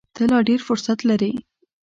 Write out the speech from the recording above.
ته لا ډېر فرصت لرې !